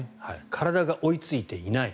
体が追いついていない。